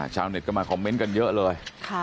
ชาวเน็ตก็มาคอมเมนต์กันเยอะเลย